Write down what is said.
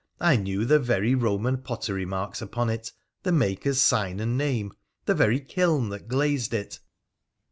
I knew the very Eoman pottery marks upon it, the maker's sign and name— the very kiln that glazed it